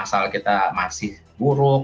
masalah kita masih buruk